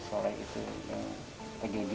jadi itu memang ya begitu memang saya